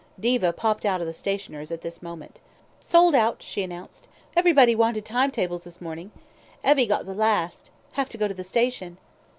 Diva popped out of the stationer's at this moment. "Sold out," she announced. "Everybody wanted timetables this morning. Evie got the last. Have to go to the station."